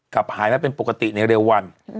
กลับหายแล้วเป็นปกติในเร็ววัน